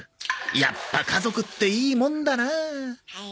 やっぱ家族っていいもんだなあ